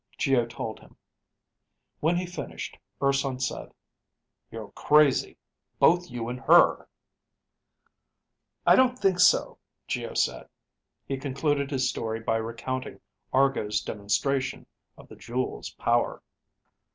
Geo told him. When he finished, Urson said, "You're crazy. Both you and her." "I don't think so," Geo said. He concluded his story by recounting Argo's demonstration of the jewel's power.